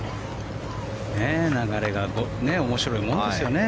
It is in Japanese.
流れが面白いもんですよね。